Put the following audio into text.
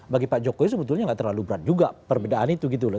bagi pak jokowi sebetulnya gak terlalu berat juga perbedaan itu gitu loh